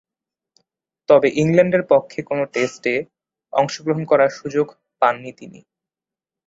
তবে, ইংল্যান্ডের পক্ষে কোন টেস্টে অংশগ্রহণ করার সুযোগ পাননি তিনি।